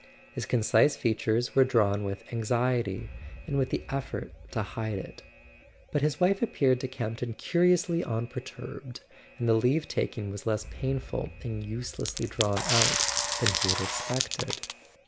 His concise features were drawn with anxiety, and with the effort to hide it; but his wife appeared to Campton curiously unperturbed, and the leave taking was less painful and uselessly drawn out than he had expected.